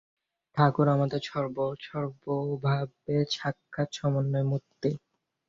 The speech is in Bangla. ঠাকুর আমাদের সর্বভাবের সাক্ষাৎ সমন্বয়মূর্তি।